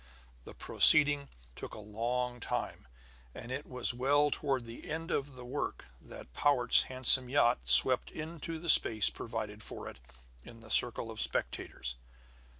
The proceeding took a long time; and it was well toward the end of the work that Powart's handsome yacht swept into the space provided for it in the circle of spectators.